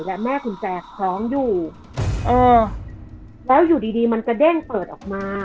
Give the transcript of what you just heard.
และแม่กุญแจคล้องอยู่เออแล้วอยู่ดีดีมันกระเด้งเปิดออกมา